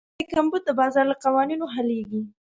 د کرنسۍ کمبود د بازار له قوانینو حلېږي.